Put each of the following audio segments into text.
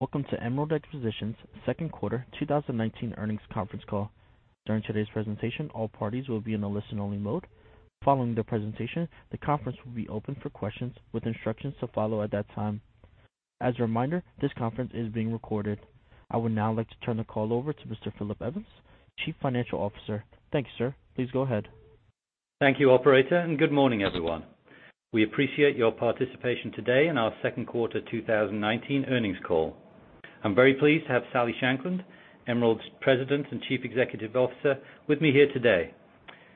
Welcome to Emerald Exhibitions second quarter 2019 earnings conference call. During today's presentation, all parties will be in a listen-only mode. Following the presentation, the conference will be open for questions with instructions to follow at that time. As a reminder, this conference is being recorded. I would now like to turn the call over to Mr. Philip Evans, Chief Financial Officer. Thank you, sir. Please go ahead. Thank you operator, and good morning everyone. We appreciate your participation today in our second quarter 2019 earnings call. I'm very pleased to have Sally Shankland, Emerald's President and Chief Executive Officer with me here today.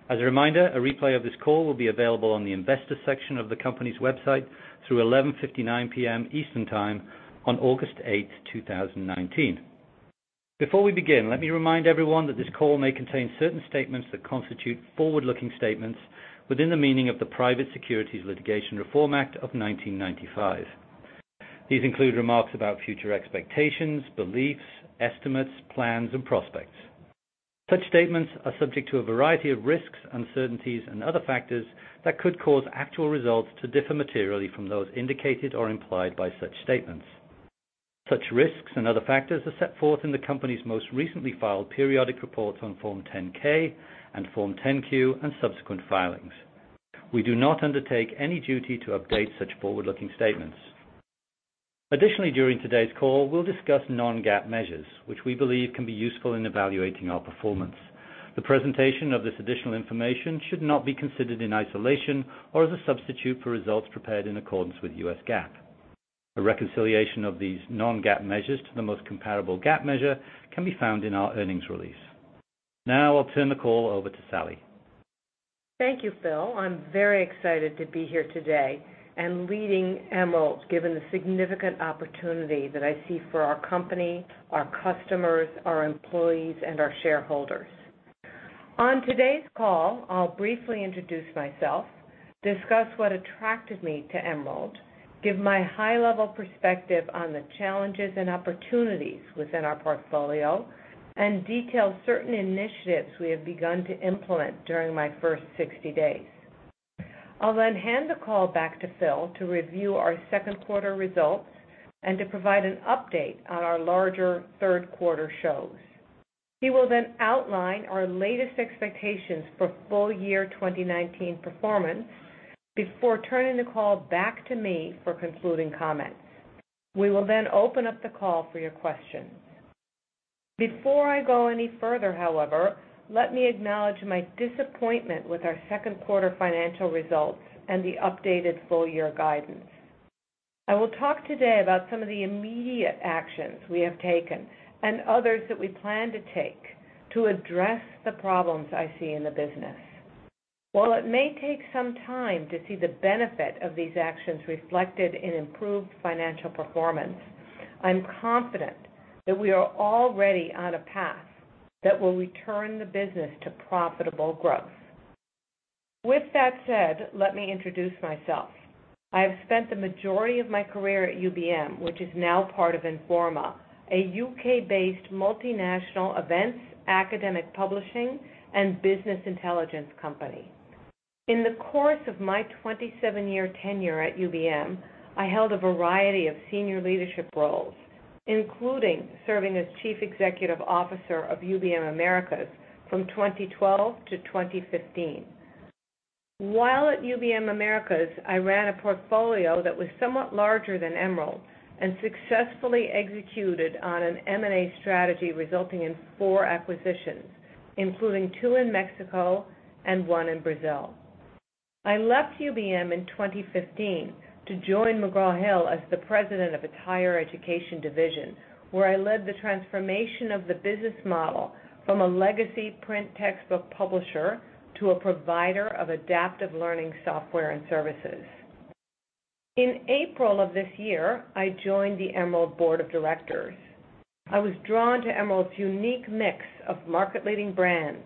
As a reminder, a replay of this call will be available on the investors section of the company's website through 11:59 P.M. Eastern Time on August 8th, 2019. Before we begin, let me remind everyone that this call may contain certain statements that constitute forward-looking statements within the meaning of the Private Securities Litigation Reform Act of 1995. These include remarks about future expectations, beliefs, estimates, plans and prospects. Such statements are subject to a variety of risks, uncertainties, and other factors that could cause actual results to differ materially from those indicated or implied by such statements. Such risks and other factors are set forth in the company's most recently filed periodic reports on Form 10-K and Form 10-Q and subsequent filings. We do not undertake any duty to update such forward-looking statements. Additionally, during today's call, we'll discuss non-GAAP measures, which we believe can be useful in evaluating our performance. The presentation of this additional information should not be considered in isolation or as a substitute for results prepared in accordance with US GAAP. A reconciliation of these non-GAAP measures to the most comparable GAAP measure can be found in our earnings release. Now I'll turn the call over to Sally. Thank you, Phil. I'm very excited to be here today and leading Emerald, given the significant opportunity that I see for our company, our customers, our employees, and our shareholders. On today's call, I'll briefly introduce myself, discuss what attracted me to Emerald, give my high-level perspective on the challenges and opportunities within our portfolio, and detail certain initiatives we have begun to implement during my first 60 days. I'll hand the call back to Phil to review our second quarter results and to provide an update on our larger third quarter shows. He will outline our latest expectations for full year 2019 performance before turning the call back to me for concluding comments. We will open up the call for your questions. Before I go any further, however, let me acknowledge my disappointment with our second quarter financial results and the updated full year guidance. I will talk today about some of the immediate actions we have taken and others that we plan to take to address the problems I see in the business. While it may take some time to see the benefit of these actions reflected in improved financial performance, I'm confident that we are already on a path that will return the business to profitable growth. With that said, let me introduce myself. I have spent the majority of my career at UBM, which is now part of Informa, a U.K.-based multinational events, academic publishing, and business intelligence company. In the course of my 27-year tenure at UBM, I held a variety of senior leadership roles, including serving as Chief Executive Officer of UBM Americas from 2012 to 2015. While at UBM Americas, I ran a portfolio that was somewhat larger than Emerald and successfully executed on an M&A strategy resulting in four acquisitions, including two in Mexico and one in Brazil. I left UBM in 2015 to join McGraw Hill as the President of its higher education division, where I led the transformation of the business model from a legacy print textbook publisher to a provider of adaptive learning software and services. In April of this year, I joined the Emerald Board of Directors. I was drawn to Emerald's unique mix of market-leading brands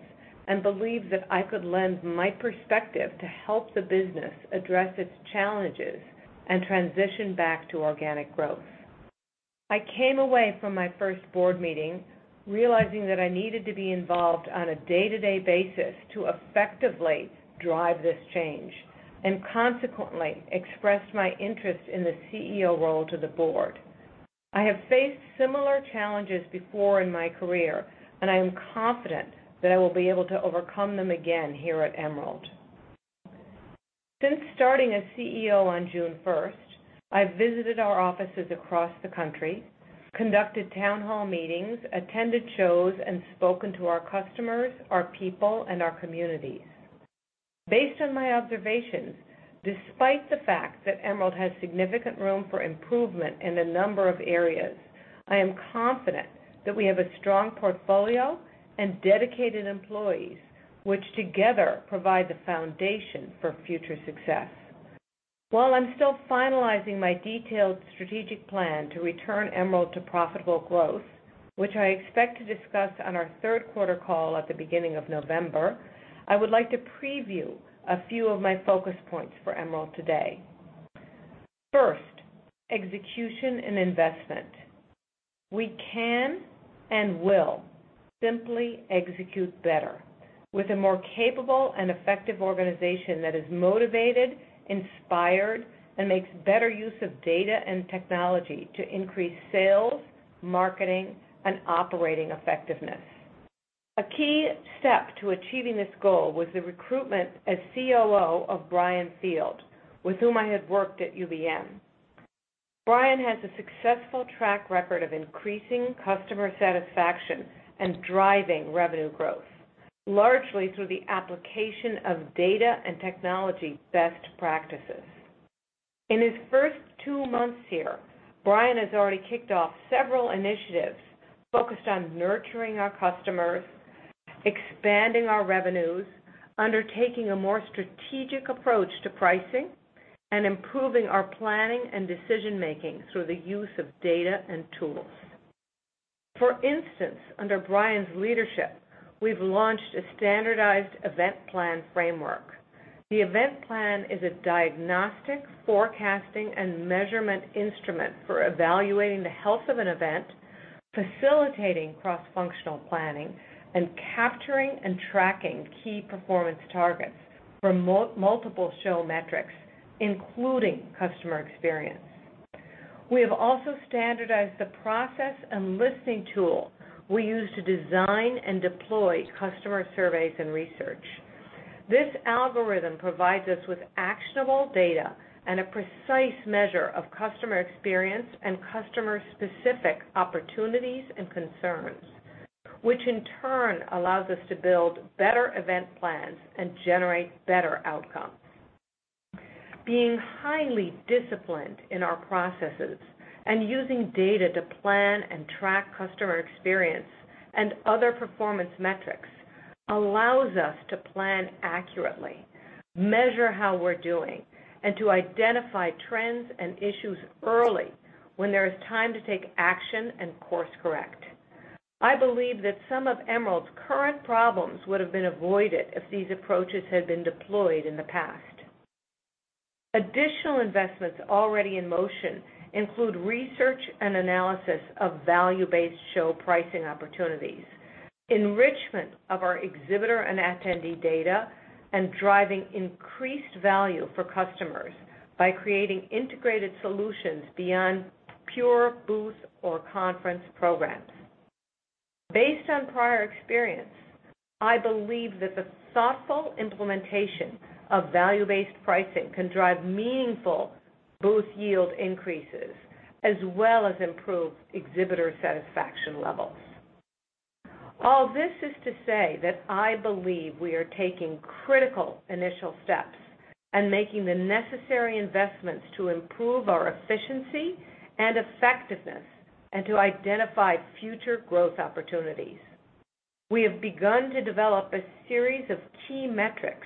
and believed that I could lend my perspective to help the business address its challenges and transition back to organic growth. I came away from my first board meeting realizing that I needed to be involved on a day-to-day basis to effectively drive this change, and consequently expressed my interest in the CEO role to the board. I have faced similar challenges before in my career, and I am confident that I will be able to overcome them again here at Emerald. Since starting as CEO on June 1st, I've visited our offices across the country, conducted town hall meetings, attended shows, and spoken to our customers, our people, and our communities. Based on my observations, despite the fact that Emerald has significant room for improvement in a number of areas, I am confident that we have a strong portfolio and dedicated employees, which together provide the foundation for future success. While I'm still finalizing my detailed strategic plan to return Emerald to profitable growth, which I expect to discuss on our third quarter call at the beginning of November, I would like to preview a few of my focus points for Emerald today. First, execution and investment. We can and will simply execute better with a more capable and effective organization that is motivated, inspired, and makes better use of data and technology to increase sales, marketing, and operating effectiveness. A key step to achieving this goal was the recruitment as COO of Brian Field, with whom I had worked at UBM. Brian has a successful track record of increasing customer satisfaction and driving revenue growth, largely through the application of data and technology best practices. In his first two months here, Brian has already kicked off several initiatives focused on nurturing our customers, expanding our revenues, undertaking a more strategic approach to pricing, and improving our planning and decision-making through the use of data and tools. For instance, under Brian's leadership, we've launched a standardized event plan framework. The event plan is a diagnostic, forecasting, and measurement instrument for evaluating the health of an event, facilitating cross-functional planning, and capturing and tracking key performance targets for multiple show metrics, including customer experience. We have also standardized the process and listening tool we use to design and deploy customer surveys and research. This algorithm provides us with actionable data and a precise measure of customer experience and customer-specific opportunities and concerns, which in turn allows us to build better event plans and generate better outcomes. Being highly disciplined in our processes and using data to plan and track customer experience and other performance metrics allows us to plan accurately, measure how we're doing, and to identify trends and issues early when there is time to take action and course-correct. I believe that some of Emerald's current problems would've been avoided if these approaches had been deployed in the past. Additional investments already in motion include research and analysis of value-based show pricing opportunities, enrichment of our exhibitor and attendee data, and driving increased value for customers by creating integrated solutions beyond pure booth or conference programs. Based on prior experience, I believe that the thoughtful implementation of value-based pricing can drive meaningful booth yield increases, as well as improve exhibitor satisfaction levels. All this is to say that I believe we are taking critical initial steps and making the necessary investments to improve our efficiency and effectiveness and to identify future growth opportunities. We have begun to develop a series of key metrics,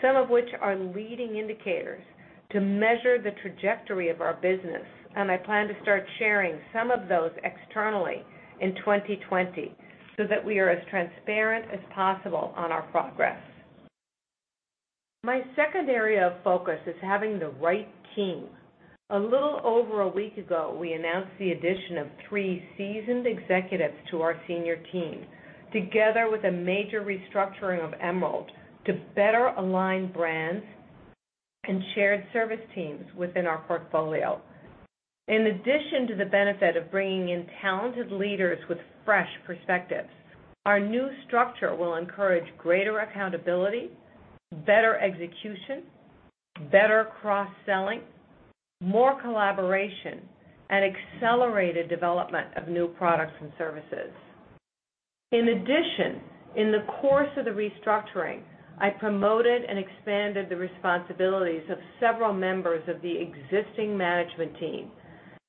some of which are leading indicators, to measure the trajectory of our business. I plan to start sharing some of those externally in 2020 so that we are as transparent as possible on our progress. My second area of focus is having the right team. A little over a week ago, we announced the addition of three seasoned executives to our senior team, together with a major restructuring of Emerald to better align brands and shared service teams within our portfolio. In addition to the benefit of bringing in talented leaders with fresh perspectives, our new structure will encourage greater accountability, better execution, better cross-selling, more collaboration, and accelerated development of new products and services. In addition, in the course of the restructuring, I promoted and expanded the responsibilities of several members of the existing management team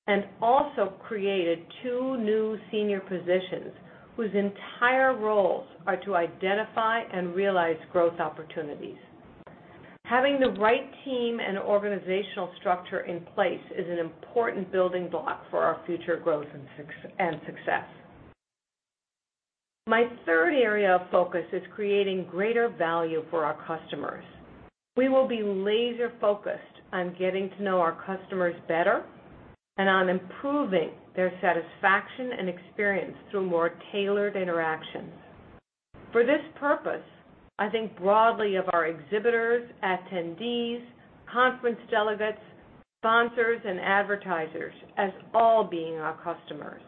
and also created two new senior positions whose entire roles are to identify and realize growth opportunities. Having the right team and organizational structure in place is an important building block for our future growth and success. My third area of focus is creating greater value for our customers. We will be laser-focused on getting to know our customers better and on improving their satisfaction and experience through more tailored interactions. For this purpose, I think broadly of our exhibitors, attendees, conference delegates, sponsors, and advertisers as all being our customers.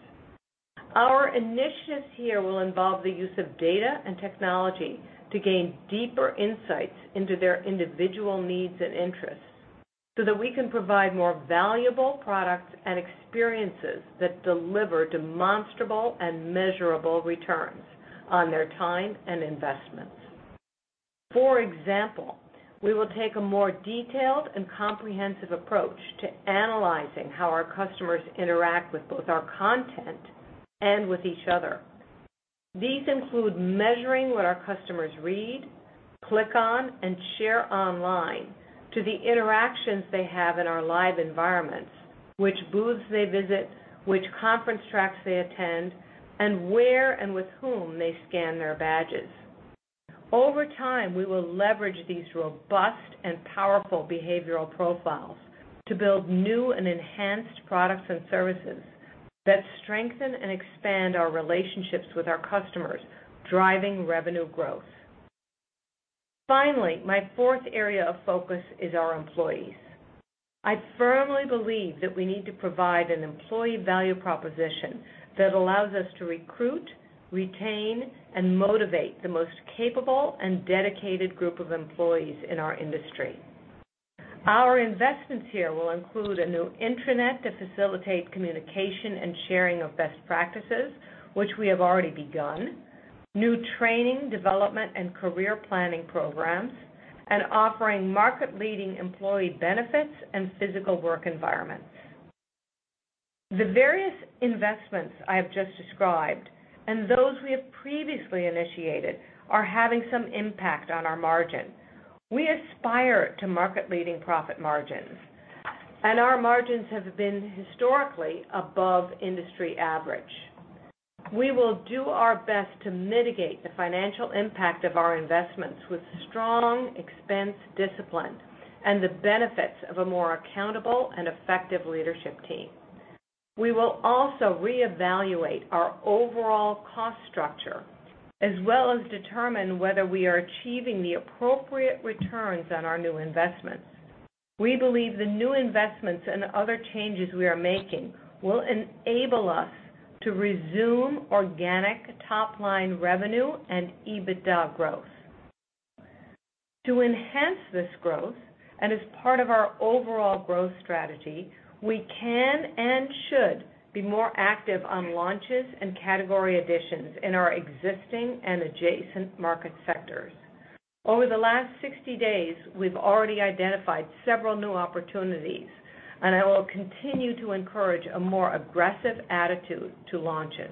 Our initiatives here will involve the use of data and technology to gain deeper insights into their individual needs and interests so that we can provide more valuable products and experiences that deliver demonstrable and measurable returns on their time and investments. For example, we will take a more detailed and comprehensive approach to analyzing how our customers interact with both our content and with each other. These include measuring what our customers read, click on, and share online to the interactions they have in our live environments, which booths they visit, which conference tracks they attend, and where and with whom they scan their badges. Over time, we will leverage these robust and powerful behavioral profiles to build new and enhanced products and services that strengthen and expand our relationships with our customers, driving revenue growth. Finally, my fourth area of focus is our employees. I firmly believe that we need to provide an employee value proposition that allows us to recruit, retain, and motivate the most capable and dedicated group of employees in our industry. Our investments here will include a new intranet to facilitate communication and sharing of best practices, which we have already begun, new training, development, and career planning programs, and offering market-leading employee benefits and physical work environments. The various investments I have just described, and those we have previously initiated, are having some impact on our margin. We aspire to market-leading profit margins, and our margins have been historically above industry average. We will do our best to mitigate the financial impact of our investments with strong expense discipline and the benefits of a more accountable and effective leadership team. We will also reevaluate our overall cost structure, as well as determine whether we are achieving the appropriate returns on our new investments. We believe the new investments and other changes we are making will enable us to resume organic top-line revenue and EBITDA growth. To enhance this growth, and as part of our overall growth strategy, we can and should be more active on launches and category additions in our existing and adjacent market sectors. Over the last 60 days, we've already identified several new opportunities, and I will continue to encourage a more aggressive attitude to launches.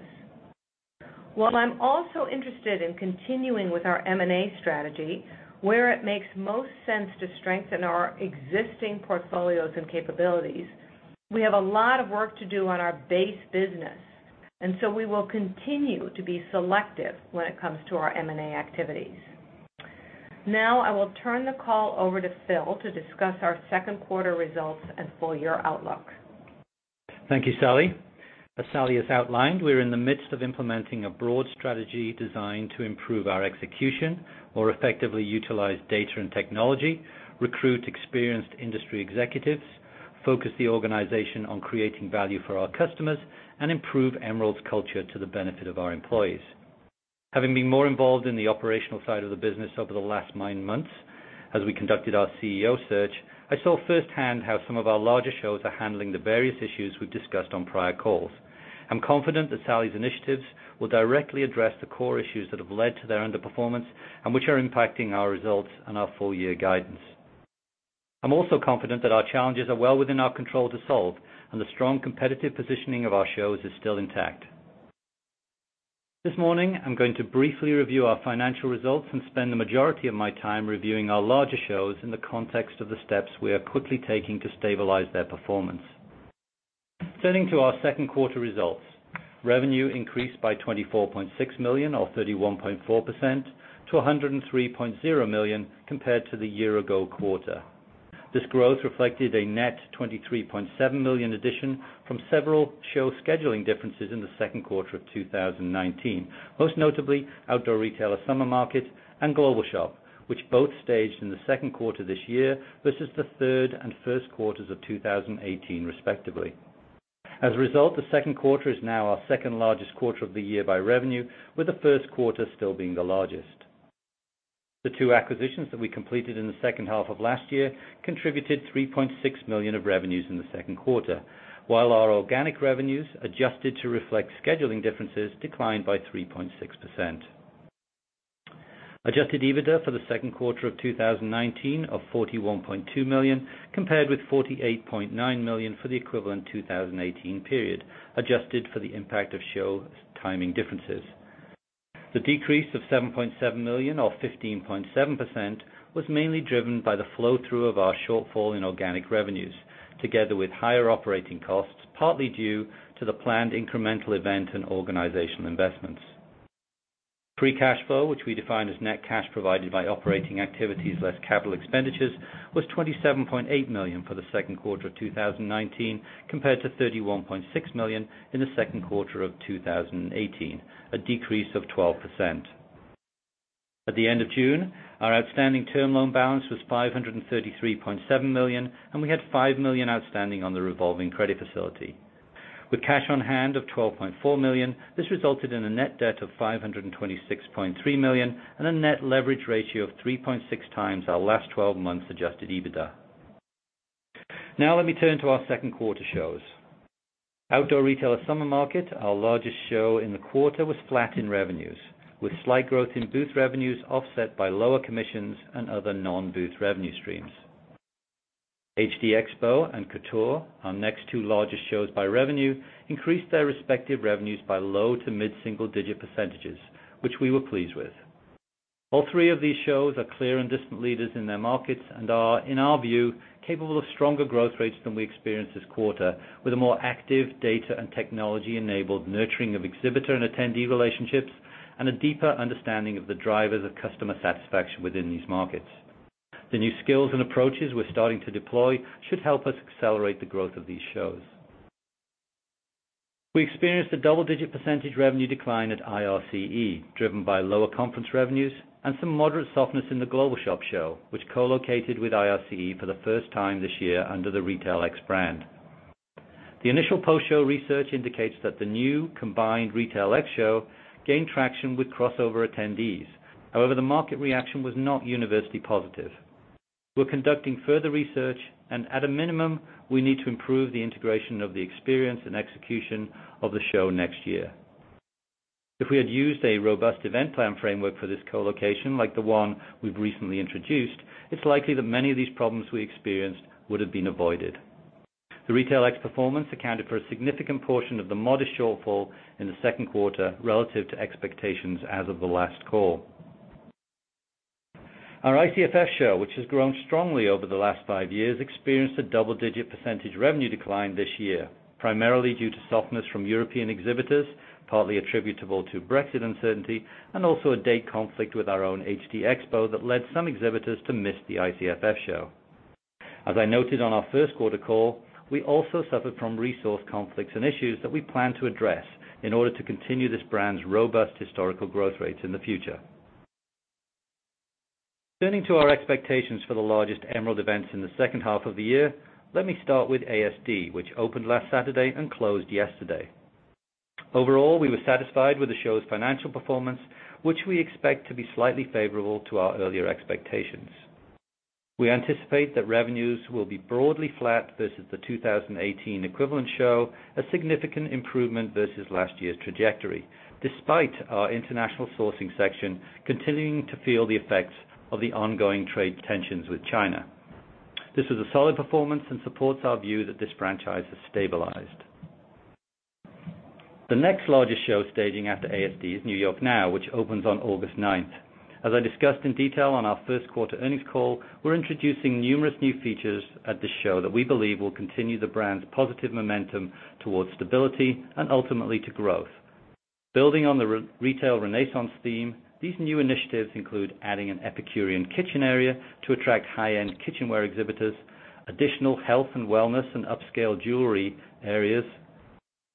While I'm also interested in continuing with our M&A strategy, where it makes most sense to strengthen our existing portfolios and capabilities, we have a lot of work to do on our base business, so we will continue to be selective when it comes to our M&A activities. Now, I will turn the call over to Phil to discuss our second quarter results and full-year outlook. Thank you, Sally. As Sally has outlined, we're in the midst of implementing a broad strategy designed to improve our execution, more effectively utilize data and technology, recruit experienced industry executives, focus the organization on creating value for our customers, and improve Emerald's culture to the benefit of our employees. Having been more involved in the operational side of the business over the last nine months as we conducted our CEO search, I saw firsthand how some of our larger shows are handling the various issues we've discussed on prior calls. I'm confident that Sally's initiatives will directly address the core issues that have led to their underperformance and which are impacting our results and our full-year guidance. I'm also confident that our challenges are well within our control to solve, and the strong competitive positioning of our shows is still intact. This morning, I'm going to briefly review our financial results and spend the majority of my time reviewing our larger shows in the context of the steps we are quickly taking to stabilize their performance. Turning to our second quarter results. Revenue increased by $24.6 million or 31.4% to $103.0 million compared to the year-ago quarter. This growth reflected a net $23.7 million addition from several show scheduling differences in the second quarter of 2019, most notably Outdoor Retailer Summer Market and GlobalShop, which both staged in the second quarter this year versus the third and first quarters of 2018, respectively. As a result, the second quarter is now our second-largest quarter of the year by revenue, with the first quarter still being the largest. The two acquisitions that we completed in the second half of last year contributed $3.6 million of revenues in the second quarter, while our organic revenues, adjusted to reflect scheduling differences, declined by 3.6%. Adjusted EBITDA for the second quarter of 2019 of $41.2 million compared with $48.9 million for the equivalent 2018 period, adjusted for the impact of show timing differences. The decrease of $7.7 million or 15.7% was mainly driven by the flow-through of our shortfall in organic revenues, together with higher operating costs, partly due to the planned incremental event and organizational investments. Free cash flow, which we define as net cash provided by operating activities less capital expenditures, was $27.8 million for the second quarter of 2019 compared to $31.6 million in the second quarter of 2018, a decrease of 12%. At the end of June, our outstanding term loan balance was $533.7 million, and we had $5 million outstanding on the revolving credit facility. With cash on hand of $12.4 million, this resulted in a net debt of $526.3 million and a net leverage ratio of 3.6 times our last 12 months adjusted EBITDA. Now let me turn to our second quarter shows. Outdoor Retailer Summer Market, our largest show in the quarter, was flat in revenues, with slight growth in booth revenues offset by lower commissions and other non-booth revenue streams. HD Expo and Couture, our next two largest shows by revenue, increased their respective revenues by low to mid-single digit percentages, which we were pleased with. All three of these shows are clear and distant leaders in their markets and are, in our view, capable of stronger growth rates than we experienced this quarter with a more active data and technology-enabled nurturing of exhibitor and attendee relationships and a deeper understanding of the drivers of customer satisfaction within these markets. The new skills and approaches we're starting to deploy should help us accelerate the growth of these shows. We experienced a double-digit percentage revenue decline at IRCE, driven by lower conference revenues and some moderate softness in the GlobalShop show, which co-located with IRCE for the first time this year under the RetailX brand. The initial post-show research indicates that the new combined RetailX show gained traction with crossover attendees. However, the market reaction was not universally positive. We're conducting further research, and at a minimum, we need to improve the integration of the experience and execution of the show next year. If we had used a robust event plan framework for this co-location like the one we've recently introduced, it's likely that many of these problems we experienced would have been avoided. The RetailX performance accounted for a significant portion of the modest shortfall in the second quarter relative to expectations as of the last call. Our ICFF show, which has grown strongly over the last five years, experienced a double-digit % revenue decline this year, primarily due to softness from European exhibitors, partly attributable to Brexit uncertainty, and also a date conflict with our own HD Expo that led some exhibitors to miss the ICFF show. As I noted on our first quarter call, we also suffered from resource conflicts and issues that we plan to address in order to continue this brand's robust historical growth rates in the future. Turning to our expectations for the largest Emerald events in the second half of the year, let me start with ASD, which opened last Saturday and closed yesterday. Overall, we were satisfied with the show's financial performance, which we expect to be slightly favorable to our earlier expectations. We anticipate that revenues will be broadly flat versus the 2018 equivalent show, a significant improvement versus last year's trajectory, despite our international sourcing section continuing to feel the effects of the ongoing trade tensions with China. This was a solid performance and supports our view that this franchise has stabilized. The next largest show staging after ASD is NY NOW, which opens on August ninth. As I discussed in detail on our first quarter earnings call, we're introducing numerous new features at this show that we believe will continue the brand's positive momentum towards stability and ultimately to growth. Building on the retail renaissance theme, these new initiatives include adding an epicurean kitchen area to attract high-end kitchenware exhibitors, additional health and wellness and upscale jewelry areas,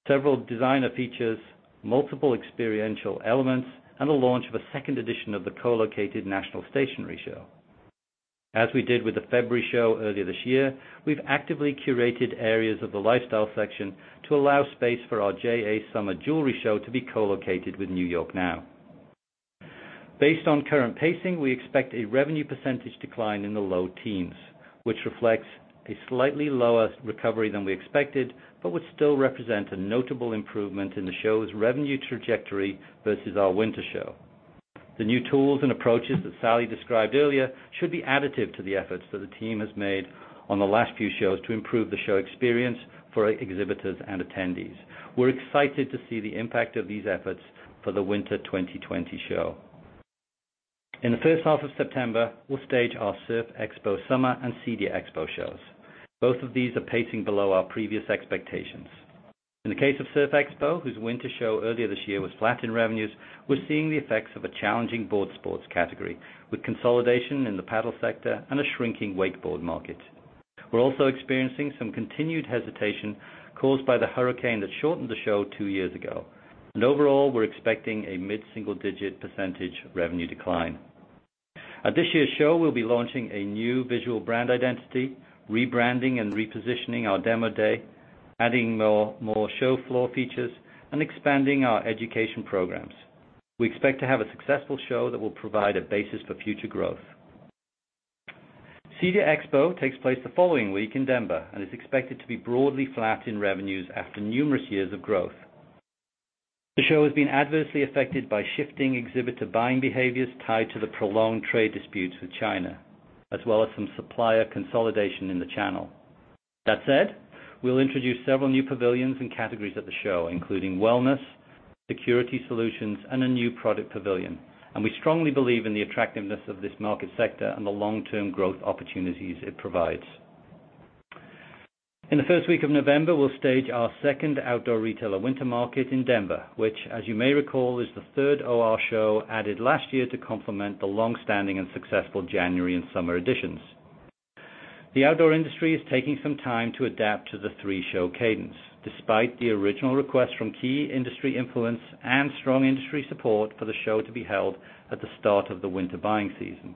several designer features, multiple experiential elements, and the launch of a second edition of the co-located National Stationery Show. As we did with the February show earlier this year, we've actively curated areas of the lifestyle section to allow space for our JA New York Summer Show to be co-located with NY NOW. Based on current pacing, we expect a revenue percentage decline in the low teens, which reflects a slightly lower recovery than we expected but would still represent a notable improvement in the show's revenue trajectory versus our winter show. The new tools and approaches that Sally described earlier should be additive to the efforts that the team has made on the last few shows to improve the show experience for exhibitors and attendees. We're excited to see the impact of these efforts for the winter 2020 show. In the first half of September, we'll stage our Surf Expo Summer and CEDIA Expo shows. Both of these are pacing below our previous expectations. In the case of Surf Expo, whose winter show earlier this year was flat in revenues, we're seeing the effects of a challenging board sports category, with consolidation in the paddle sector and a shrinking wakeboard market. We're also experiencing some continued hesitation caused by the hurricane that shortened the show two years ago. Overall, we're expecting a mid-single-digit % revenue decline. At this year's show, we'll be launching a new visual brand identity, rebranding and repositioning our demo day, adding more show floor features, and expanding our education programs. We expect to have a successful show that will provide a basis for future growth. CEDIA Expo takes place the following week in Denver and is expected to be broadly flat in revenues after numerous years of growth. The show has been adversely affected by shifting exhibitor buying behaviors tied to the prolonged trade disputes with China, as well as some supplier consolidation in the channel. That said, we'll introduce several new pavilions and categories at the show, including wellness, security solutions, and a new product pavilion, and we strongly believe in the attractiveness of this market sector and the long-term growth opportunities it provides. In the first week of November, we'll stage our second Outdoor Retailer Winter Market in Denver, which as you may recall, is the third OR show added last year to complement the longstanding and successful January and summer editions. The outdoor industry is taking some time to adapt to the three-show cadence, despite the original request from key industry influence and strong industry support for the show to be held at the start of the winter buying season.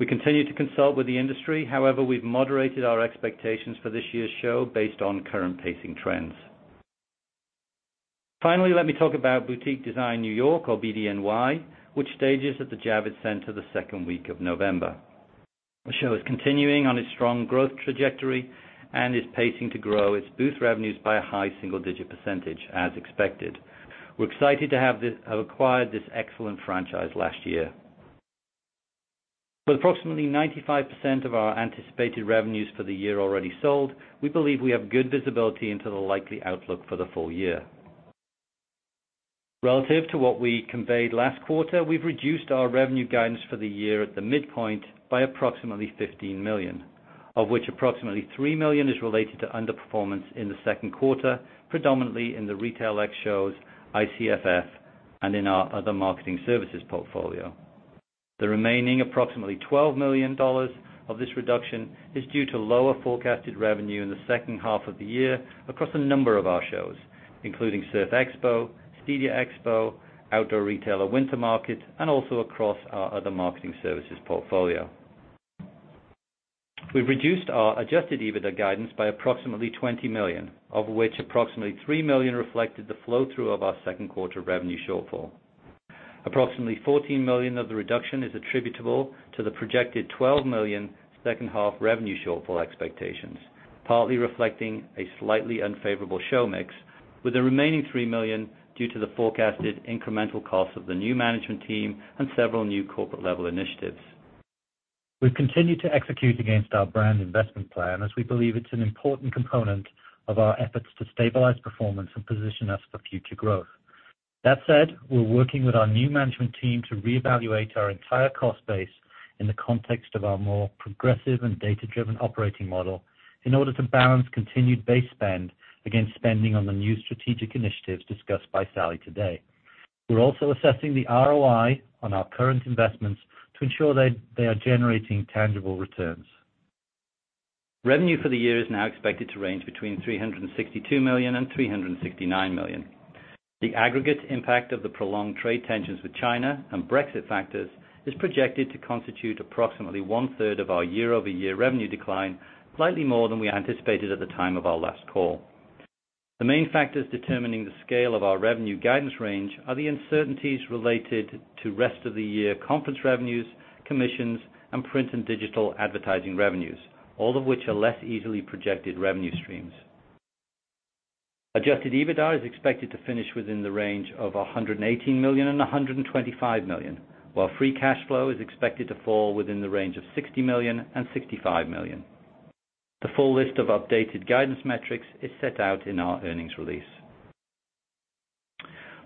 We continue to consult with the industry. However, we've moderated our expectations for this year's show based on current pacing trends. Finally, let me talk about Boutique Design New York, or BDNY, which stages at the Javits Center the second week of November. The show is continuing on its strong growth trajectory and is pacing to grow its booth revenues by a high single-digit percentage as expected. We're excited to have acquired this excellent franchise last year. With approximately 95% of our anticipated revenues for the year already sold, we believe we have good visibility into the likely outlook for the full year. Relative to what we conveyed last quarter, we've reduced our revenue guidance for the year at the midpoint by approximately $15 million, of which approximately $3 million is related to underperformance in the second quarter, predominantly in the RetailX shows, ICFF and in our other marketing services portfolio. The remaining $12 million of this reduction is due to lower forecasted revenue in the second half of the year across a number of our shows, including Surf Expo, CEDIA Expo, Outdoor Retailer Winter Market, and also across our other marketing services portfolio. We've reduced our adjusted EBITDA guidance by $20 million, of which $3 million reflected the flow-through of our second quarter revenue shortfall. $14 million of the reduction is attributable to the projected $12 million second half revenue shortfall expectations, partly reflecting a slightly unfavorable show mix, with the remaining $3 million due to the forecasted incremental cost of the new management team and several new corporate-level initiatives. We've continued to execute against our brand investment plan, as we believe it's an important component of our efforts to stabilize performance and position us for future growth. That said, we're working with our new management team to reevaluate our entire cost base in the context of our more progressive and data-driven operating model, in order to balance continued base spend against spending on the new strategic initiatives discussed by Sally today. We're also assessing the ROI on our current investments to ensure they are generating tangible returns. Revenue for the year is now expected to range between $362 million and $369 million. The aggregate impact of the prolonged trade tensions with China and Brexit factors is projected to constitute approximately one-third of our year-over-year revenue decline, slightly more than we anticipated at the time of our last call. The main factors determining the scale of our revenue guidance range are the uncertainties related to rest of the year conference revenues, commissions, and print and digital advertising revenues, all of which are less easily projected revenue streams. Adjusted EBITDA is expected to finish within the range of $118 million and $125 million, while free cash flow is expected to fall within the range of $60 million and $65 million. The full list of updated guidance metrics is set out in our earnings release.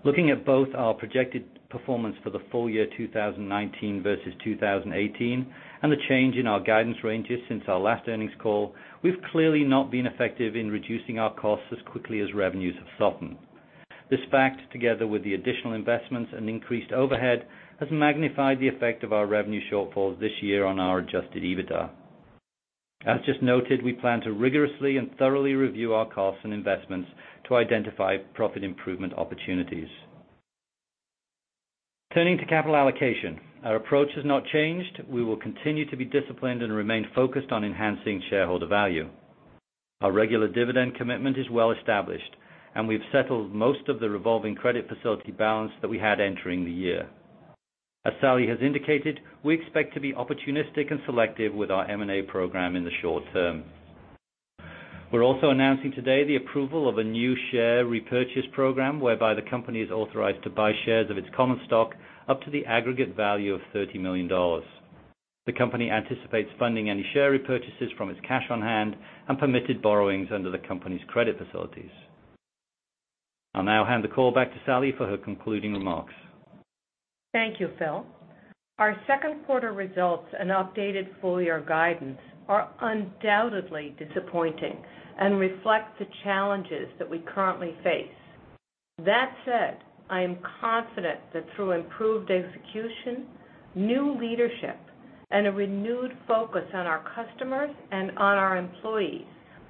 Looking at both our projected performance for the full year 2019 versus 2018 and the change in our guidance ranges since our last earnings call, we've clearly not been effective in reducing our costs as quickly as revenues have softened. This fact, together with the additional investments and increased overhead, has magnified the effect of our revenue shortfalls this year on our adjusted EBITDA. As just noted, we plan to rigorously and thoroughly review our costs and investments to identify profit improvement opportunities. Turning to capital allocation, our approach has not changed. We will continue to be disciplined and remain focused on enhancing shareholder value. Our regular dividend commitment is well established, and we've settled most of the revolving credit facility balance that we had entering the year. As Sally has indicated, we expect to be opportunistic and selective with our M&A program in the short term. We're also announcing today the approval of a new share repurchase program, whereby the company is authorized to buy shares of its common stock up to the aggregate value of $30 million. The company anticipates funding any share repurchases from its cash on hand and permitted borrowings under the company's credit facilities. I'll now hand the call back to Sally for her concluding remarks. Thank you, Phil. Our second quarter results and updated full year guidance are undoubtedly disappointing and reflect the challenges that we currently face. That said, I am confident that through improved execution, new leadership, and a renewed focus on our customers and on our employees,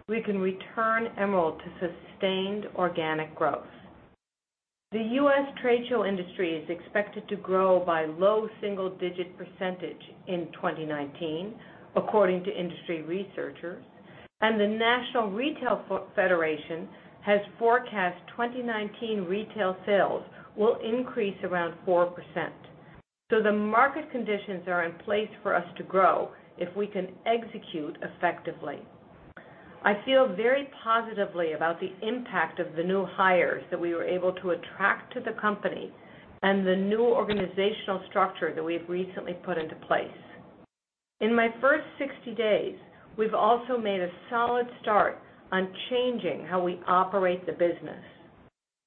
we can return Emerald to sustained organic growth. The U.S. trade show industry is expected to grow by low single-digit percentage in 2019, according to industry researchers, and the National Retail Federation has forecast 2019 retail sales will increase around 4%. The market conditions are in place for us to grow if we can execute effectively. I feel very positively about the impact of the new hires that we were able to attract to the company and the new organizational structure that we've recently put into place. In my first 60 days, we've also made a solid start on changing how we operate the business.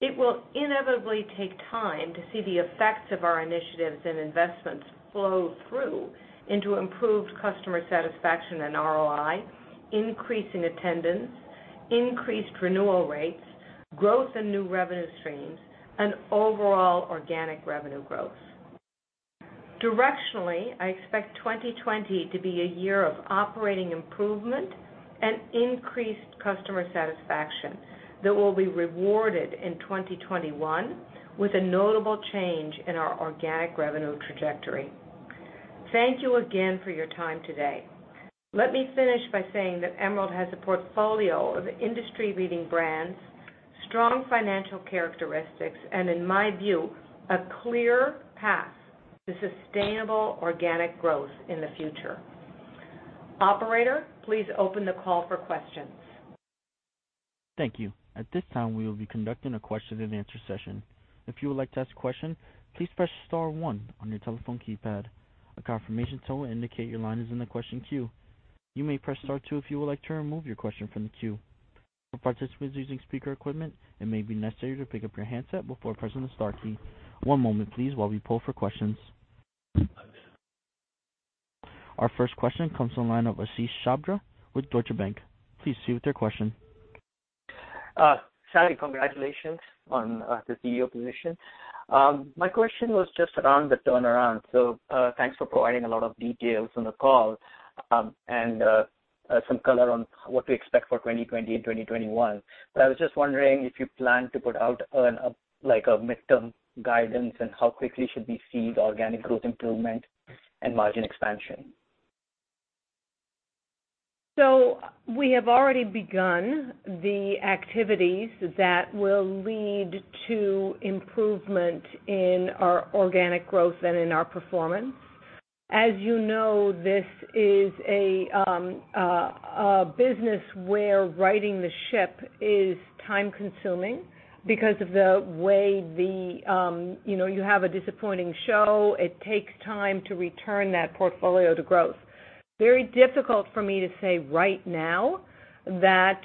It will inevitably take time to see the effects of our initiatives and investments flow through into improved customer satisfaction and ROI, increasing attendance, increased renewal rates, growth in new revenue streams, and overall organic revenue growth. Directionally, I expect 2020 to be a year of operating improvement and increased customer satisfaction that will be rewarded in 2021 with a notable change in our organic revenue trajectory. Thank you again for your time today. Let me finish by saying that Emerald has a portfolio of industry-leading brands, strong financial characteristics, and in my view, a clear path to sustainable organic growth in the future. Operator, please open the call for questions. Thank you. At this time, we will be conducting a question and answer session. If you would like to ask a question, please press star one on your telephone keypad. A confirmation tone will indicate your line is in the question queue. You may press star two if you would like to remove your question from the queue. For participants using speaker equipment, it may be necessary to pick up your handset before pressing the star key. One moment please while we poll for questions. Our first question comes from the line of Ashish Sabadra with Deutsche Bank. Please proceed with your question. Sally, congratulations on the CEO position. My question was just around the turnaround. Thanks for providing a lot of details on the call, and some color on what to expect for 2020 and 2021. I was just wondering if you plan to put out a midterm guidance, and how quickly should we see the organic growth improvement and margin expansion? We have already begun the activities that will lead to improvement in our organic growth and in our performance. As you know, this is a business where righting the ship is time-consuming because of the way you have a disappointing show, it takes time to return that portfolio to growth. Very difficult for me to say right now that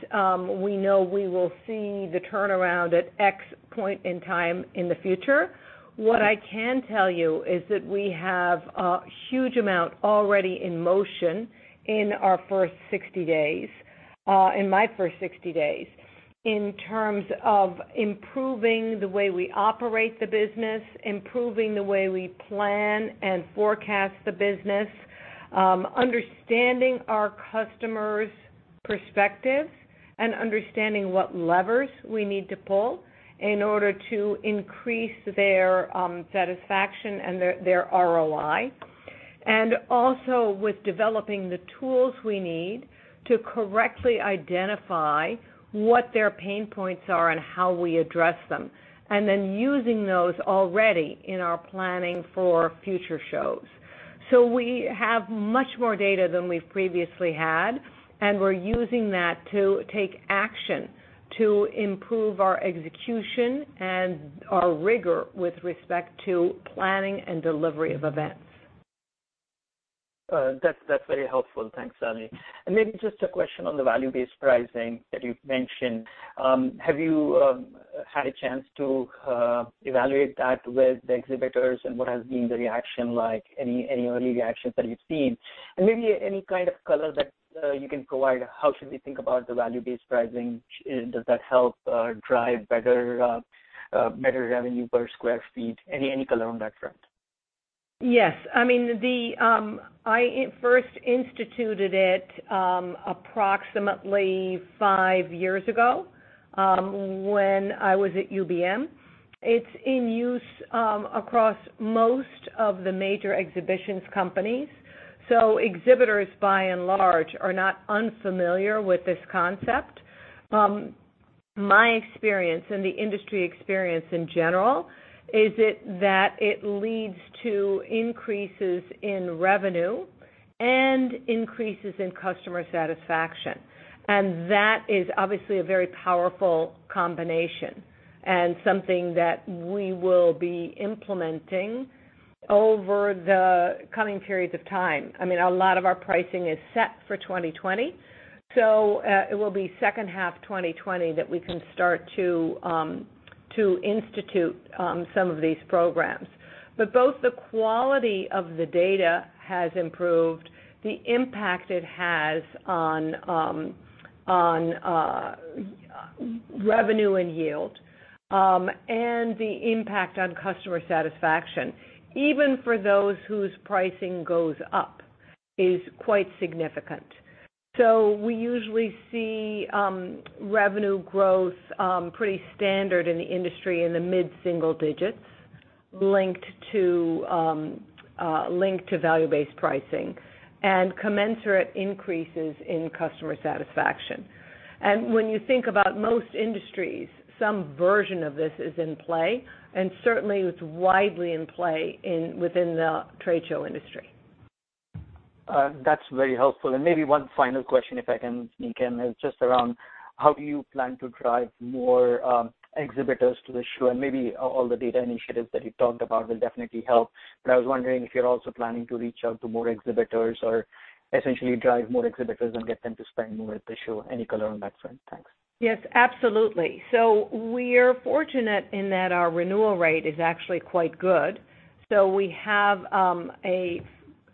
we know we will see the turnaround at X point in time in the future. What I can tell you is that we have a huge amount already in motion in our first 60 days, in my first 60 days, in terms of improving the way we operate the business, improving the way we plan and forecast the business, understanding our customers' perspectives, and understanding what levers we need to pull in order to increase their satisfaction and their ROI. Also with developing the tools we need to correctly identify what their pain points are and how we address them, and then using those already in our planning for future shows. We have much more data than we've previously had, and we're using that to take action to improve our execution and our rigor with respect to planning and delivery of events. That's very helpful. Thanks, Sally. Maybe just a question on the value-based pricing that you've mentioned. Have you had a chance to evaluate that with the exhibitors, and what has been the reaction like? Any early reactions that you've seen? Maybe any kind of color that you can provide, how should we think about the value-based pricing? Does that help drive better revenue per square feet? Any color on that front? Yes. I first instituted it approximately five years ago, when I was at UBM. It's in use across most of the major exhibitions companies. Exhibitors by and large, are not unfamiliar with this concept. My experience and the industry experience in general, is that it leads to increases in revenue and increases in customer satisfaction. That is obviously a very powerful combination and something that we will be implementing over the coming periods of time. A lot of our pricing is set for 2020. It will be second half 2020 that we can start to institute some of these programs. Both the quality of the data has improved, the impact it has on revenue and yield, and the impact on customer satisfaction, even for those whose pricing goes up, is quite significant. We usually see revenue growth, pretty standard in the industry in the mid-single digits, linked to value-based pricing, and commensurate increases in customer satisfaction. When you think about most industries, some version of this is in play, and certainly it's widely in play within the trade show industry. That's very helpful. Maybe one final question, if I can sneak in, is just around how do you plan to drive more exhibitors to the show? Maybe all the data initiatives that you talked about will definitely help. I was wondering if you're also planning to reach out to more exhibitors or essentially drive more exhibitors and get them to spend more at the show. Any color on that front? Thanks. Yes, absolutely. We're fortunate in that our renewal rate is actually quite good. We have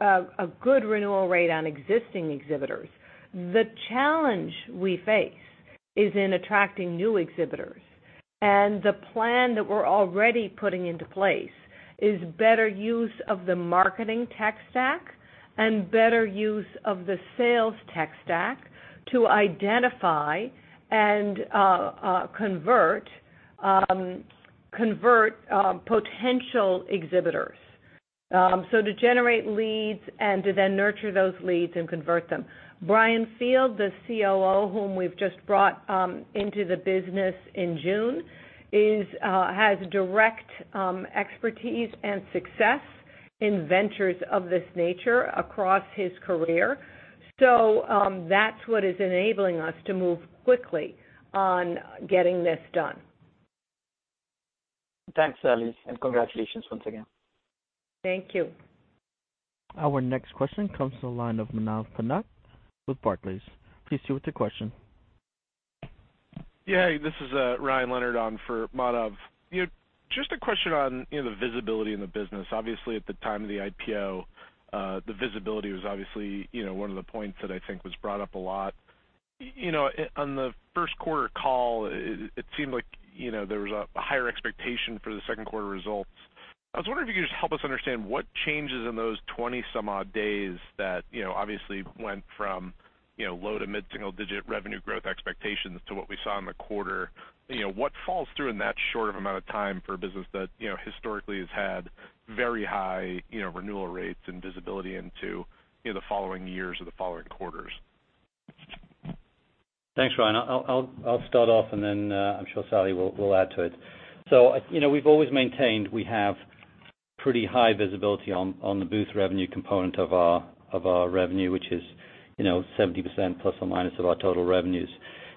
a good renewal rate on existing exhibitors. The challenge we face is in attracting new exhibitors, and the plan that we're already putting into place is better use of the marketing tech stack and better use of the sales tech stack to identify and convert potential exhibitors. To generate leads and to then nurture those leads and convert them. Brian Field, the COO whom we've just brought into the business in June, has direct expertise and success in ventures of this nature across his career. That's what is enabling us to move quickly on getting this done. Thanks, Sally, and congratulations once again. Thank you. Our next question comes from the line of Manav Patnaik with Barclays. Please proceed with your question. Yeah. Hey, this is Ryan Leonard on for Manav. Just a question on the visibility in the business. Obviously, at the time of the IPO, the visibility was obviously one of the points that I think was brought up a lot. On the first quarter call, it seemed like there was a higher expectation for the second quarter results. I was wondering if you could just help us understand what changes in those 20 some odd days that obviously went from low to mid-single digit revenue growth expectations to what we saw in the quarter. What falls through in that short of amount of time for a business that historically has had very high renewal rates and visibility into the following years or the following quarters? Thanks, Ryan. I'll start off, and then I'm sure Sally will add to it. We've always maintained we have pretty high visibility on the booth revenue component of our revenue, which is 70% plus or minus of our total revenues,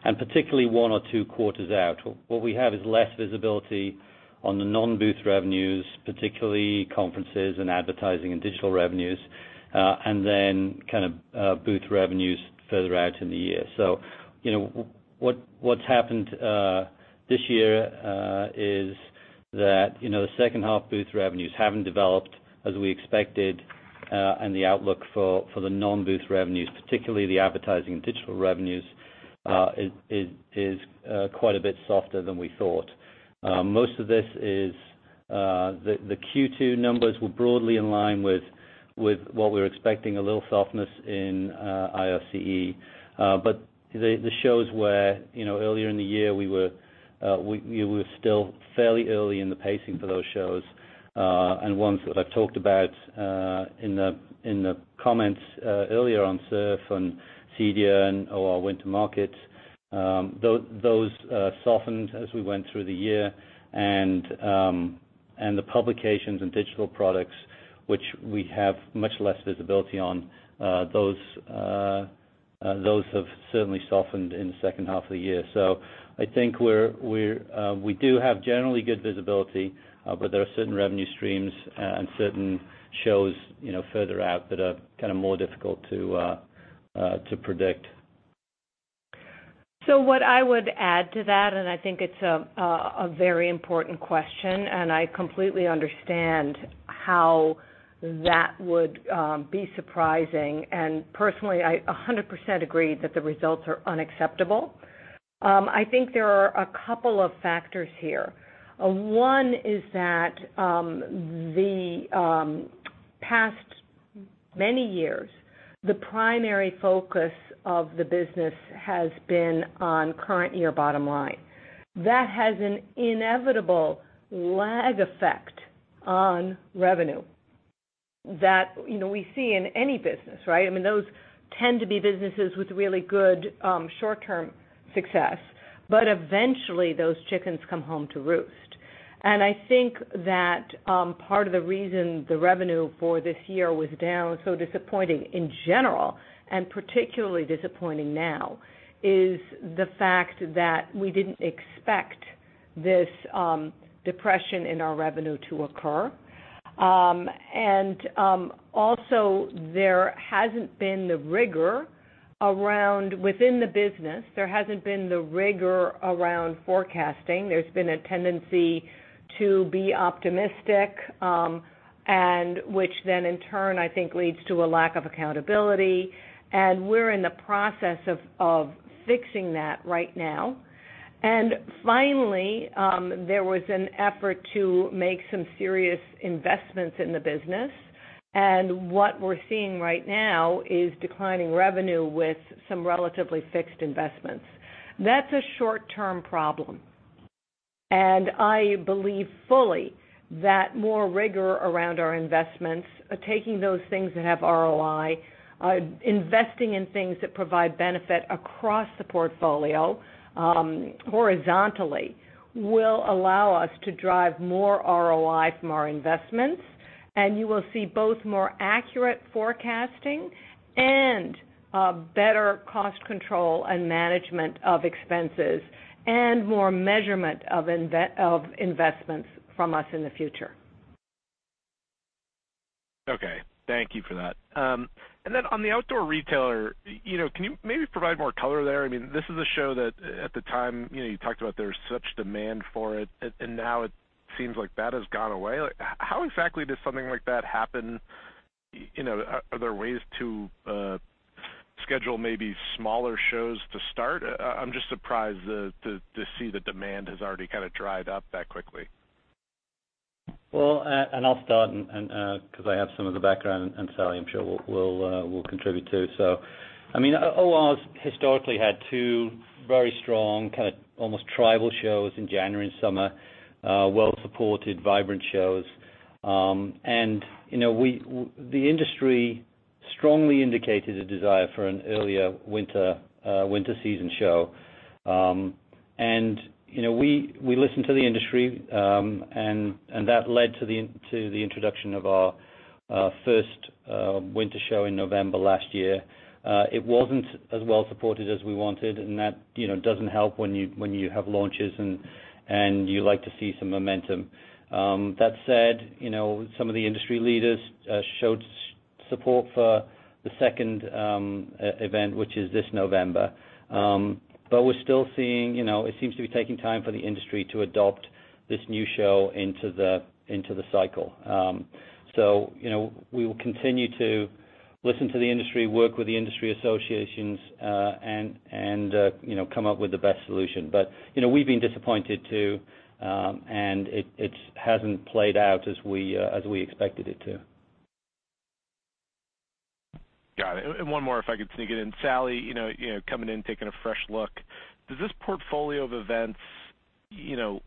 and particularly one or two quarters out. What we have is less visibility on the non-booth revenues, particularly conferences and advertising and digital revenues, and then kind of booth revenues further out in the year. What's happened this year is that the second-half booth revenues haven't developed as we expected, and the outlook for the non-booth revenues, particularly the advertising and digital revenues, is quite a bit softer than we thought. Most of this is the Q2 numbers were broadly in line with what we were expecting, a little softness in ICFF. The shows where earlier in the year, we were still fairly early in the pacing for those shows. Ones that I've talked about in the comments earlier on SURF and CEDIA and OR Winter Market, those softened as we went through the year. The publications and digital products, which we have much less visibility on, those have certainly softened in the second half of the year. I think we do have generally good visibility, but there are certain revenue streams and certain shows further out that are kind of more difficult to predict. What I would add to that, and I think it's a very important question, and I completely understand how that would be surprising, and personally, I 100% agree that the results are unacceptable. I think there are a couple of factors here. One is that the past many years, the primary focus of the business has been on current year bottom line. That has an inevitable lag effect on revenue that we see in any business, right? Those tend to be businesses with really good short-term success. Eventually, those chickens come home to roost. I think that part of the reason the revenue for this year was down, so disappointing in general, and particularly disappointing now, is the fact that we didn't expect this depression in our revenue to occur. Also, there hasn't been the rigor around within the business. There hasn't been the rigor around forecasting. There's been a tendency to be optimistic, which then in turn, I think leads to a lack of accountability, and we're in the process of fixing that right now. Finally, there was an effort to make some serious investments in the business. What we're seeing right now is declining revenue with some relatively fixed investments. That's a short-term problem. I believe fully that more rigor around our investments, taking those things that have ROI, investing in things that provide benefit across the portfolio horizontally, will allow us to drive more ROI from our investments. You will see both more accurate forecasting and better cost control and management of expenses, and more measurement of investments from us in the future. Okay. Thank you for that. Then on the Outdoor Retailer, can you maybe provide more color there? This is a show that at the time, you talked about there was such demand for it, and now it seems like that has gone away. How exactly does something like that happen? Are there ways to schedule maybe smaller shows to start? I'm just surprised to see the demand has already kind of dried up that quickly. Well, I'll start because I have some of the background, and Sally, I'm sure will contribute too. OR historically had two very strong, kind of almost tribal shows in January and summer, well-supported, vibrant shows. The industry strongly indicated a desire for an earlier winter season show. We listened to the industry, and that led to the introduction of our first winter show in November last year. It wasn't as well supported as we wanted, and that doesn't help when you have launches, and you like to see some momentum. That said, some of the industry leaders showed support for the second event, which is this November. We're still seeing, it seems to be taking time for the industry to adopt this new show into the cycle. We will continue to listen to the industry, work with the industry associations, and come up with the best solution. We've been disappointed too, and it hasn't played out as we expected it to. Got it. One more, if I could sneak it in. Sally, coming in, taking a fresh look, does this portfolio of events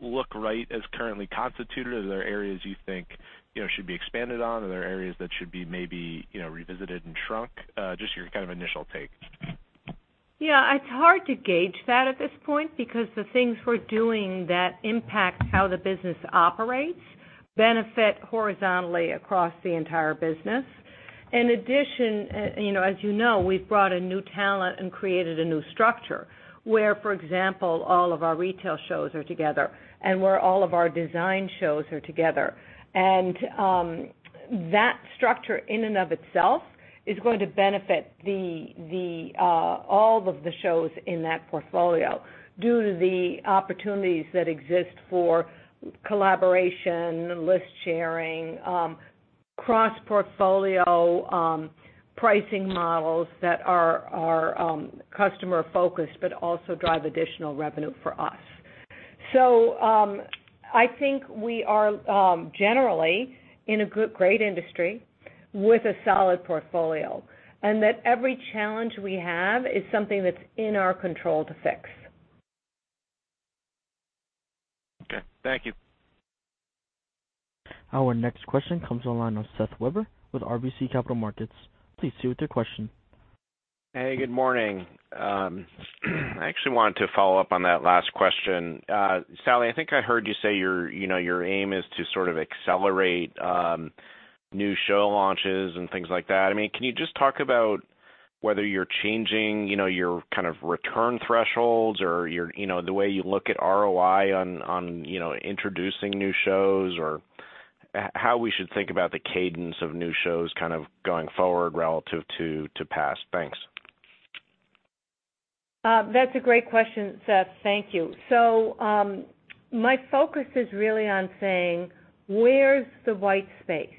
look right as currently constituted, or are there areas you think should be expanded on? Are there areas that should be maybe revisited and shrunk? Just your kind of initial take? Yeah, it's hard to gauge that at this point because the things we're doing that impact how the business operates benefit horizontally across the entire business. In addition, as you know, we've brought in new talent and created a new structure where, for example, all of our retail shows are together and where all of our design shows are together. That structure in and of itself is going to benefit all of the shows in that portfolio due to the opportunities that exist for collaboration, list-sharing, cross-portfolio pricing models that are customer-focused but also drive additional revenue for us. I think we are generally in a great industry with a solid portfolio, and that every challenge we have is something that's in our control to fix. Okay. Thank you. Our next question comes on the line with Seth Weber with RBC Capital Markets. Please proceed with your question. Hey, good morning. I actually wanted to follow up on that last question. Sally, I think I heard you say your aim is to sort of accelerate new show launches and things like that. Can you just talk about whether you're changing your kind of return thresholds or the way you look at ROI on introducing new shows? How we should think about the cadence of new shows kind of going forward relative to past? Thanks. That's a great question, Seth. Thank you. My focus is really on saying, "Where's the white space?"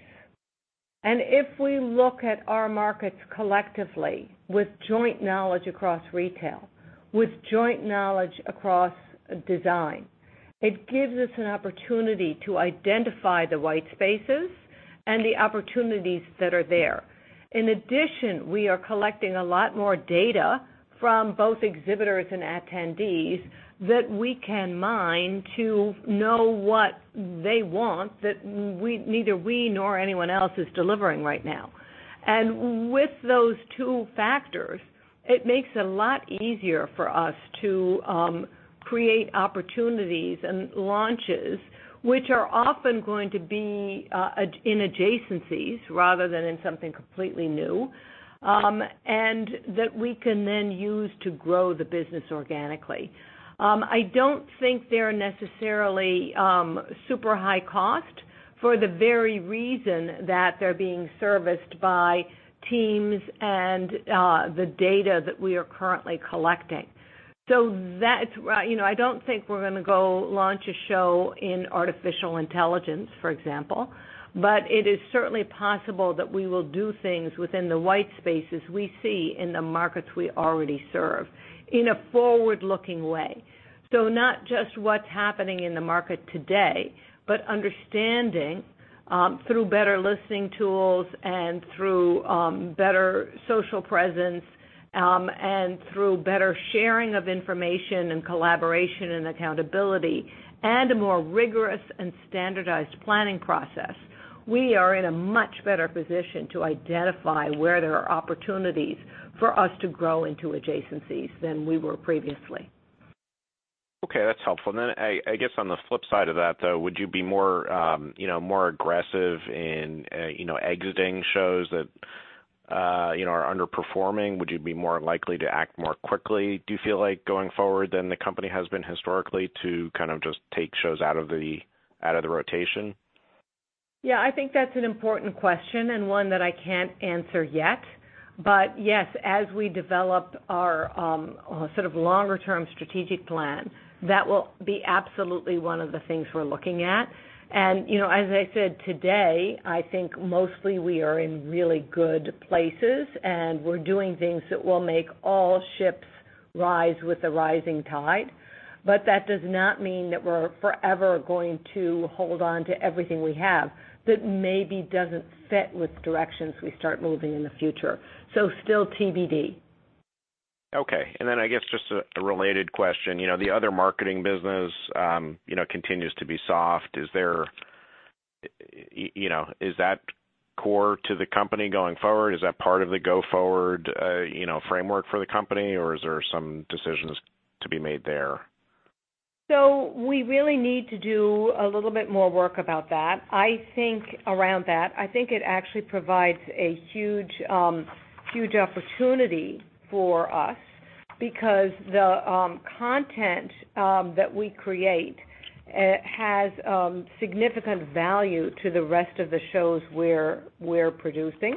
If we look at our markets collectively with joint knowledge across retail, with joint knowledge across design, it gives us an opportunity to identify the white spaces and the opportunities that are there. In addition, we are collecting a lot more data from both exhibitors and attendees that we can mine to know what they want, that neither we nor anyone else is delivering right now. With those two factors, it makes it a lot easier for us to create opportunities and launches, which are often going to be in adjacencies rather than in something completely new, and that we can then use to grow the business organically. I don't think they're necessarily super high cost for the very reason that they're being serviced by teams and the data that we are currently collecting. I don't think we're going to go launch a show in artificial intelligence, for example, but it is certainly possible that we will do things within the white spaces we see in the markets we already serve in a forward-looking way. Not just what's happening in the market today, but understanding, through better listening tools and through better social presence, and through better sharing of information and collaboration and accountability, and a more rigorous and standardized planning process. We are in a much better position to identify where there are opportunities for us to grow into adjacencies than we were previously. Okay. That's helpful. I guess on the flip side of that, though, would you be more aggressive in exiting shows that are underperforming? Would you be more likely to act more quickly, do you feel like, going forward than the company has been historically to kind of just take shows out of the rotation? Yeah, I think that's an important question and one that I can't answer yet. Yes, as we develop our sort of longer-term strategic plan, that will be absolutely one of the things we're looking at. As I said today, I think mostly we are in really good places, and we're doing things that will make all ships rise with the rising tide. That does not mean that we're forever going to hold on to everything we have that maybe doesn't fit with directions we start moving in the future. Still TBD. Okay. I guess just a related question. The other marketing business continues to be soft. Is that core to the company going forward? Is that part of the go-forward framework for the company, or is there some decisions to be made there? We really need to do a little bit more work about that. I think around that, I think it actually provides a huge opportunity for us because the content that we create has significant value to the rest of the shows we're producing.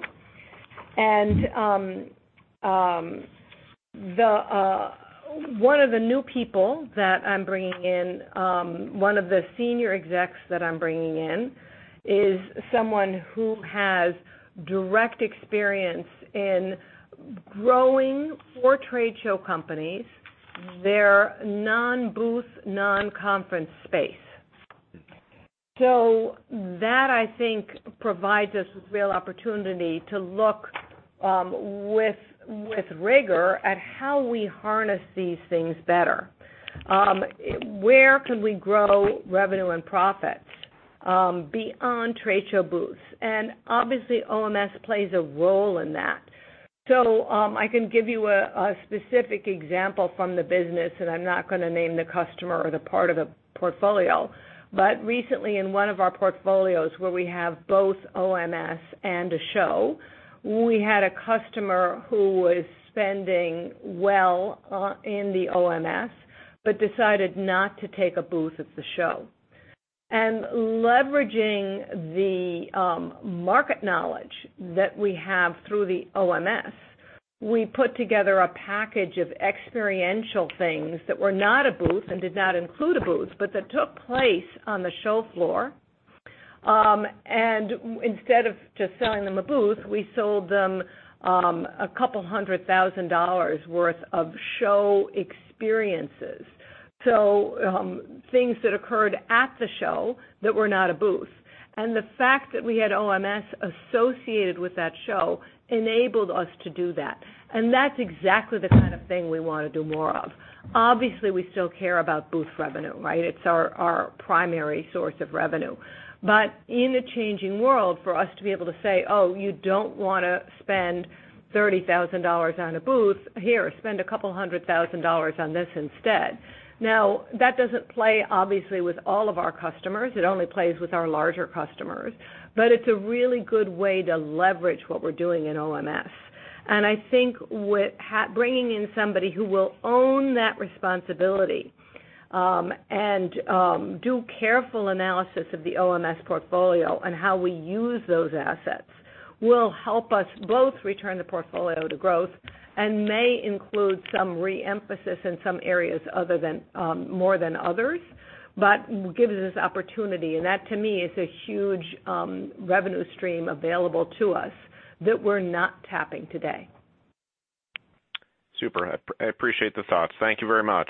One of the new people that I'm bringing in, one of the senior execs that I'm bringing in, is someone who has direct experience in growing, for trade show companies, their non-booth, non-conference space. That, I think, provides us with real opportunity to look with rigor at how we harness these things better. Where can we grow revenue and profits beyond trade show booths? Obviously, OMS plays a role in that. I can give you a specific example from the business, and I'm not going to name the customer or the part of the portfolio. Recently in one of our portfolios where we have both OMS and a show, we had a customer who was spending well in the OMS, but decided not to take a booth at the show. Leveraging the market knowledge that we have through the OMS, we put together a package of experiential things that were not a booth and did not include a booth, but that took place on the show floor. Instead of just selling them a booth, we sold them $200,000 worth of show experiences. Things that occurred at the show that were not a booth. The fact that we had OMS associated with that show enabled us to do that. That's exactly the kind of thing we want to do more of. Obviously, we still care about booth revenue, right? It's our primary source of revenue. In a changing world, for us to be able to say, "Oh, you don't want to spend $30,000 on a booth. Here, spend a couple hundred thousand dollars on this instead." That doesn't play obviously with all of our customers. It only plays with our larger customers. It's a really good way to leverage what we're doing in OMS. I think bringing in somebody who will own that responsibility, and do careful analysis of the OMS portfolio and how we use those assets, will help us both return the portfolio to growth and may include some re-emphasis in some areas more than others, but gives us opportunity. That, to me, is a huge revenue stream available to us that we're not tapping today. Super. I appreciate the thoughts. Thank you very much.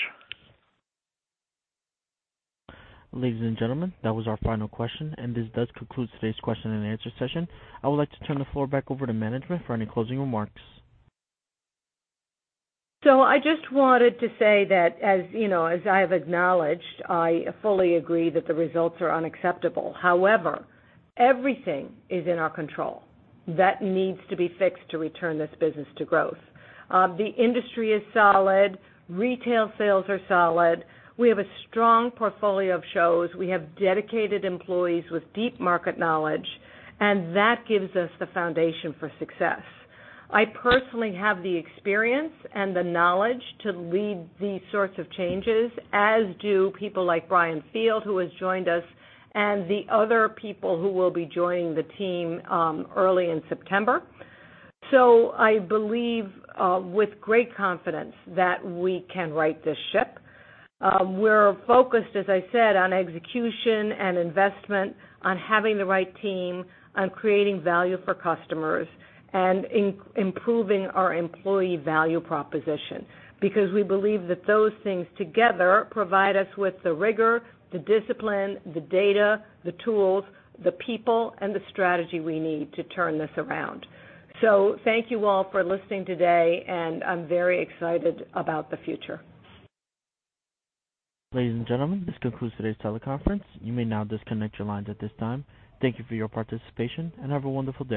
Ladies and gentlemen, that was our final question, and this does conclude today's question and answer session. I would like to turn the floor back over to management for any closing remarks. I just wanted to say that, as I have acknowledged, I fully agree that the results are unacceptable. However, everything is in our control that needs to be fixed to return this business to growth. The industry is solid, retail sales are solid. We have a strong portfolio of shows. We have dedicated employees with deep market knowledge, and that gives us the foundation for success. I personally have the experience and the knowledge to lead these sorts of changes, as do people like Brian Field, who has joined us, and the other people who will be joining the team early in September. I believe with great confidence that we can right this ship. We're focused, as I said, on execution and investment, on having the right team, on creating value for customers, and improving our employee value proposition. We believe that those things together provide us with the rigor, the discipline, the data, the tools, the people, and the strategy we need to turn this around. Thank you all for listening today, and I'm very excited about the future. Ladies and gentlemen, this concludes today's teleconference. You may now disconnect your lines at this time. Thank you for your participation, and have a wonderful day.